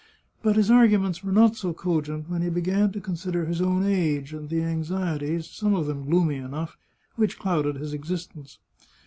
But his arguments were not so cogent when he began to consider his own age, and the anxieties, some of them gloomy enough, which clouded his existence.